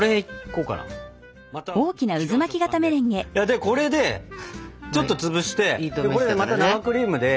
でこれでちょっと潰してまた生クリームで。